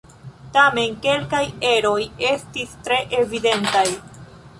Tamen, kelkaj eroj estis tre evidentaj.